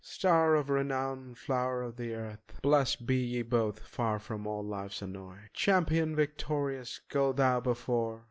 Star of renown, flow'r of the earth, Blest be ye both, far from all life's annoy. Champion victorious, go thou before!